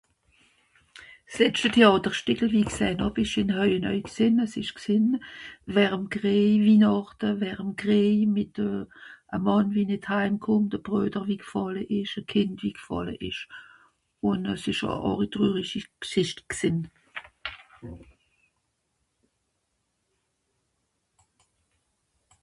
s'letschte theàtre steckel wie esch gsähn hàb esch in hawenau gsin as esch gsin wärem grei Winàchte wärem grei mìt a mann wie nìt Haim kommt a bruder wie g'fàlle esch a Kìnd wie g'fàlle esch on s'esch a horig trürigi G'schìcht gsìn